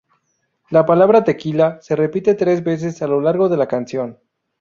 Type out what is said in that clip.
La palabra "tequila" se repite tres veces a lo largo de la canción.